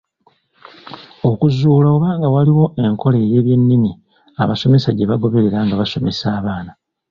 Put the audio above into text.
Okuzuula oba nga waliwo enkola y’ebyennimi abasomesa gye bagoberera nga basomesa abaana.